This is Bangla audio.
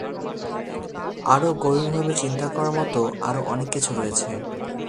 আরও গভীরভাবে চিন্তা করার মতো আরও অনেক কিছু রয়েছে।